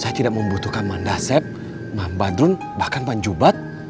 saya tidak membutuhkan mandah sep mambah drun bahkan panjubat